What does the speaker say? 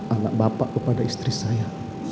anak bapak kepada istri saya